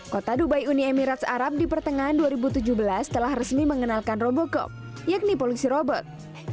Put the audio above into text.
kota dubai uni emirat arab di pertengahan dua ribu tujuh belas telah resmi mengenalkan robocok yakni polusi robot